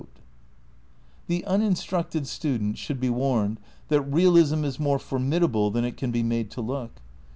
3di INTEODUCTION The uniiiBtructed student should be warned that realism is more formidable than it can be made to look.